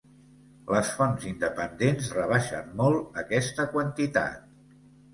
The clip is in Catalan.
Les fonts independents rebaixen molt aquesta quantitat.